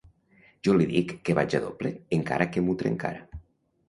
Jo li dic que vaig a doble encara que m’ho trencara.